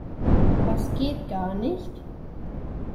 Was geht gar nicht?